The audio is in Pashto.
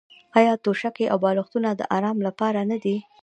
آیا توشکې او بالښتونه د ارام لپاره نه دي؟